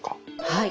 はい。